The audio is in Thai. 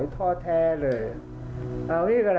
ภาคอีสานแห้งแรง